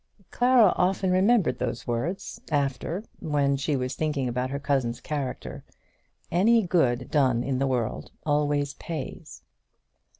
Clara often remembered those words afterwards when she was thinking of her cousin's character. Any good done in the world always pays!